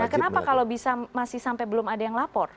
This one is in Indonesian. kenapa kalau masih sampai belum ada yang lapor